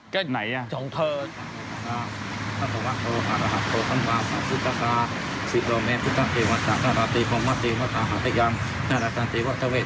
ก็ไหนอ่ะจองเธอ